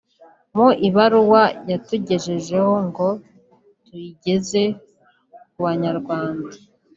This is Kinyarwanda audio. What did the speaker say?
Mu ibaruwa yatugejejeho ngo tuyigeze ku banyarwanda